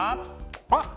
あっ！